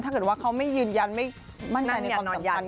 ถ้าเกิดว่าเขาไม่ยืนยันไม่มั่นใจในความสัมพันธ์